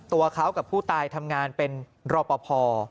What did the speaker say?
ตัวเขากับผู้ตายทำงานเป็นรอปภ